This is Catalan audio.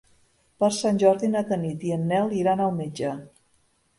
Per Sant Jordi na Tanit i en Nel iran al metge.